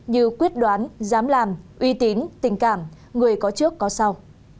như quyết đoán dám làm uy tín tình cảm người có trước có sau